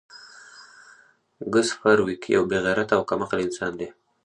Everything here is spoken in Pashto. ګس فارویک یو بې غیرته او کم عقل انسان دی